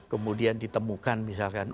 kemudian ditemukan misalkan